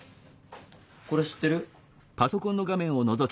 これ知ってる？